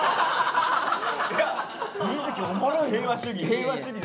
平和主義。